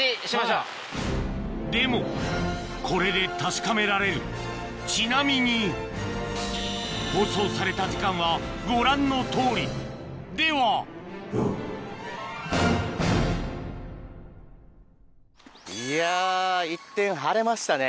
でもこれで確かめられるちなみに放送された時間はご覧のとおりではいや一転晴れましたね。